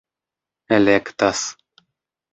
elektas